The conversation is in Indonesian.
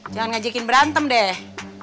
jangan ngajakin berantem deh